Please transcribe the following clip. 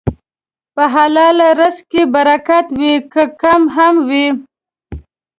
په حلال رزق کې برکت وي، که کم هم وي.